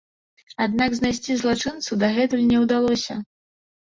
Аднак знайсці злачынцу дагэтуль не ўдалося.